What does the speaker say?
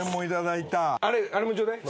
あれもちょうだい。